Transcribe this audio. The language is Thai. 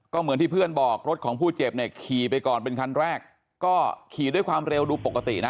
ก็เหมือนที่เพื่อนบอกรถของผู้เจ็บเนี่ยขี่ไปก่อนเป็นคันแรกก็ขี่ด้วยความเร็วดูปกตินะ